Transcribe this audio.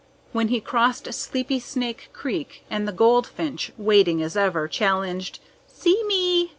When he crossed Sleepy Snake Creek and the goldfinch, waiting as ever, challenged: "SEE ME?"